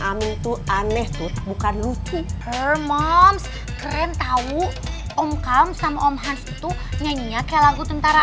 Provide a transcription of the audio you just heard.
amin tuh aneh tuh bukan rukuh moms keren tahu om kamu sama om hans itu nyanyinya kayak lagu tentara